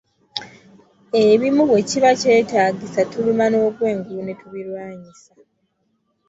Ebimu bwe kiba kyetaagisa tuluma n'ogwengulu ne tubilwanyisa.